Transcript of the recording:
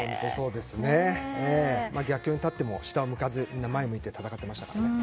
逆境になっても下を向かず前を向いて戦っていましたからね。